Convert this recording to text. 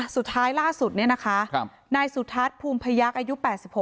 สุดท้ายล่าสุดนะคะนายสุทัศน์ภูมิพะยากอายุ๘๖ปี